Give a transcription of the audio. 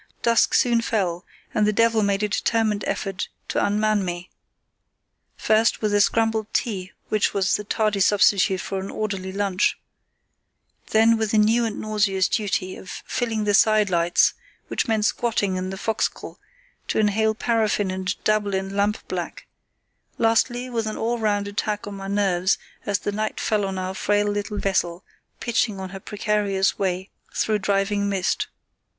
Dusk soon fell, and the devil made a determined effort to unman me; first, with the scrambled tea which was the tardy substitute for an orderly lunch, then with the new and nauseous duty of filling the side lights, which meant squatting in the fo'c'sle to inhale paraffin and dabble in lamp black; lastly, with an all round attack on my nerves as the night fell on our frail little vessel, pitching on her precarious way through driving mist.